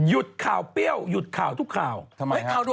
หยุดข่าวเปรี้ยวหยุดข่าวทุกข่าว